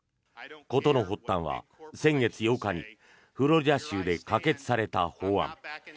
事の発端は先月８日にフロリダ州で可決された法案。